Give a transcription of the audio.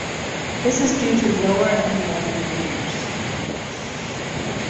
This is due to lower enrollment figures.